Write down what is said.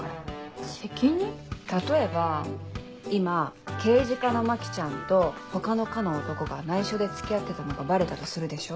例えば今刑事課の牧ちゃんと他の課の男が内緒で付き合ってたのがバレたとするでしょ。